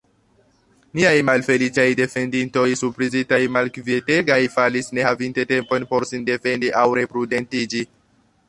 Niaj malfeliĉaj defendintoj, surprizitaj, malkvietegaj, falis ne havinte tempon por sin defendi aŭ reprudentiĝi.